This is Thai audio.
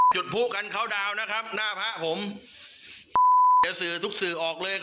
จุดโพกันเกาะดาวนะครับหน้าพระผมตุ๊กสื่อออกเลย